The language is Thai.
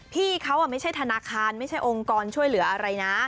พี่เขาไม่ใช่ธนาคารไม่ใช่องค์กรช่วยเหลืออะไรนะ